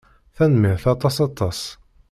Tanemmirt aṭas aṭas.